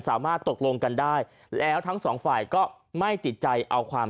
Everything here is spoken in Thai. สามารถตกลงกันได้แล้วทั้งสองฝ่ายก็ไม่ติดใจเอาความ